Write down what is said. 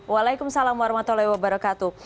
waalaikumsalam warahmatullahi wabarakatuh